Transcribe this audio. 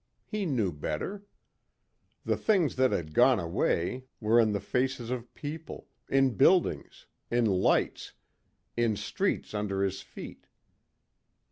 He knew better. The things that had gone away were in the faces of people, in buildings, in lights, in streets under his feet.